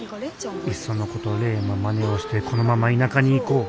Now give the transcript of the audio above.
いっそのこと玲のまねをしてこのまま田舎に行こう。